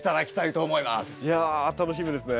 いや楽しみですね。